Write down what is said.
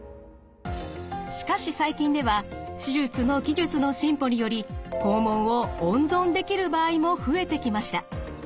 しかし最近では手術の技術の進歩により肛門を温存できる場合も増えてきました。